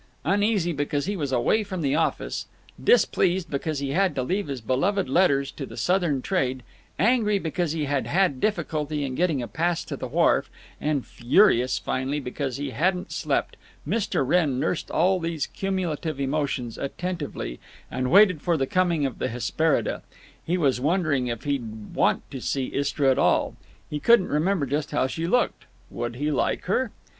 Uneasy because he was away from the office, displeased because he had to leave his beloved letters to the Southern trade, angry because he had had difficulty in getting a pass to the wharf, and furious, finally, because he hadn't slept, Mr. Wrenn nursed all these cumulative emotions attentively and waited for the coming of the Hesperida. He was wondering if he'd want to see Istra at all. He couldn't remember just how she looked. Would he like her?